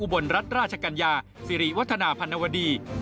บนรัฐราชกัญญาสิริวัฒนาพันวดี